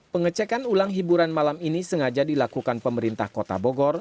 pengecekan ulang hiburan malam ini sengaja dilakukan pemerintah kota bogor